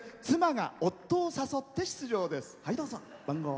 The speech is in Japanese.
妻が夫を誘って出場です。